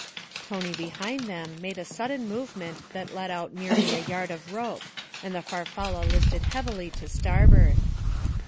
Tony behind them made a sudden movement that let out nearly a yard of rope, and the Farfalla listed heavily to starboard.